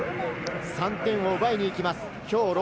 ３点を奪いに行きます。